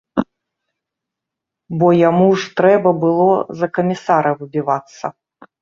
Бо яму ж трэба было за камісара выбівацца.